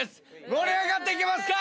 盛り上がっていけますか！